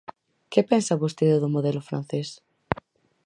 ¿Que pensa vostede do modelo francés?